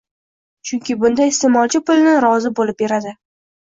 Chunki bunda isteʼmolchi pulini rozi bo‘lib beradi.